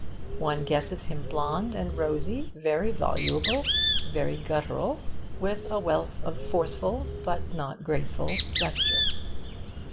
One guesses him blond and rosy, very voluble, very guttural, with a wealth of forceful but not graceful gesture.